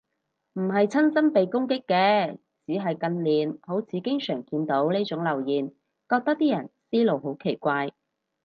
唔係親身被攻擊嘅，只係近年好似經常見到呢種留言，覺得啲人思路好奇怪